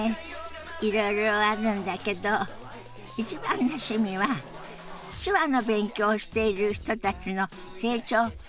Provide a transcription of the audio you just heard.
いろいろあるんだけど一番の趣味は手話の勉強をしている人たちの成長を見守ることかしら。